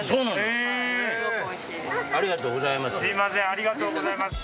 ありがとうございます。